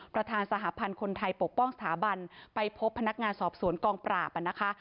ประธานสหพันธ์คนไทยปกป้องสถาบันไปพบพนักงานสอบสวนกองปราบนะคะ